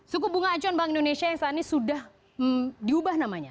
suku bunga acuan bank indonesia yang saat ini sudah diubah namanya